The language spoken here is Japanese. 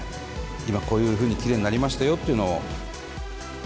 今、こういうふうにきれいになりましたよっていうのを。